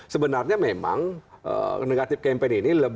sebenarnya memang negatif campaign ini